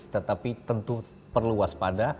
tetapi tentu perlu waspada